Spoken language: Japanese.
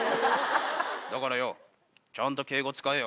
だからよちゃんと敬語使えよ。